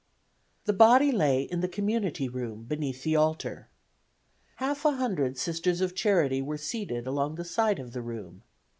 The body lay in the community room, beneath the altar. Half a hundred Sisters of Charity were seated along the side of the room.